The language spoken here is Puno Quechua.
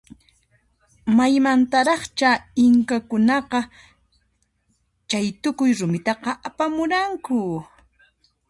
Maymantaraqcha inkakunaqa chaytukuy rumita apamuranku?